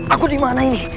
aku dimana ini